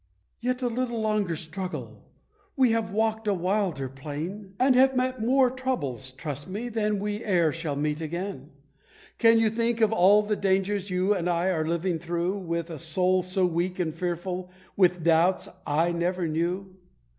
"Yet a little longer struggle; we have walked a wilder plain, And have met more troubles, trust me, than we e'er shall meet again! Can you think of all the dangers you and I are living through With a soul so weak and fearful, with the doubts I never knew?